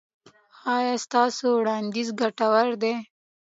ایا ستاسو وړاندیز ګټور دی؟